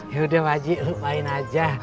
ya udah pakcik lo main aja